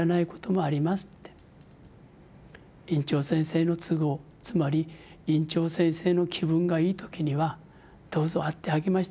院長先生の都合つまり院長先生の気分がいい時には『どうぞ会って励まして下さい』。